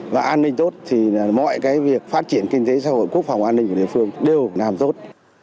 và an ninh tốt thì mọi cái việc phát triển kinh tế xã hội quốc phòng an ninh của địa phương đều làm tốt